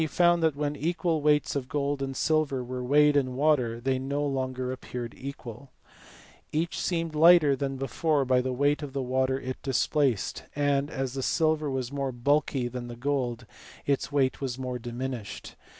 found that when equal weights of gold and silver were weighed in water they no longer appeared equal : each seemed lighter than before by the weight of the water it displaced, and as the silver was more bulky than the gold its weight was more diminished.